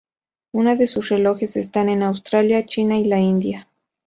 Unas de sus relojes están en Australia, China y la India.